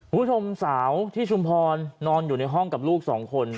คุณผู้ชมสาวที่ชุมพรนอนอยู่ในห้องกับลูกสองคน